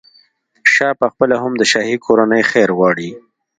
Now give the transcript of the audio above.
شاه پخپله هم د شاهي کورنۍ خیر غواړي.